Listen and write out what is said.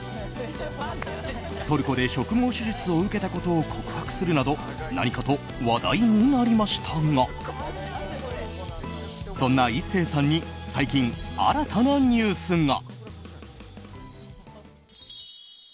トルコで植毛手術を受けたことを告白するなど何かと話題になりましたがそんな壱成さんに最近、新たなニュースが。